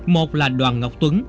một là đoàn ngọc tuấn